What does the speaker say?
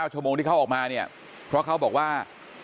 ชั่วโมงที่เขาออกมาเนี่ยเพราะเขาบอกว่า